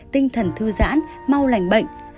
tinh thần thư giãn mau lành bệnh